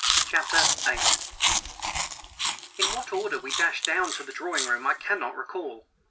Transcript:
CHAPTER VIII IN what order we dashed down to the drawing room I cannot recall.